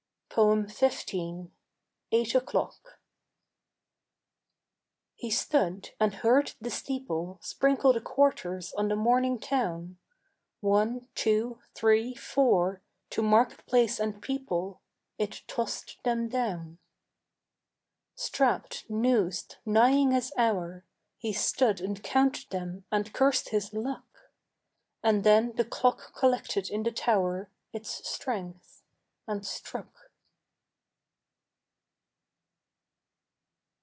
XV. EIGHT O'CLOCK He stood, and heard the steeple Sprinkle the quarters on the morning town. One, two, three, four, to market place and people It tossed them down. Strapped, noosed, nighing his hour, He stood and counted them and cursed his luck; And then the clock collected in the tower Its strength, and struck.